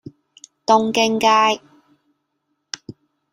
東京街